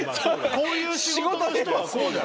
こういう仕事の人はこうじゃ。